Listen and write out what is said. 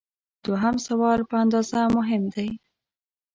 دوهم سوال په اندازه مهم دی.